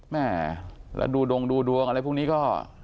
แม่แล้วดูดงดูดวงอะไรพวกนี้ก็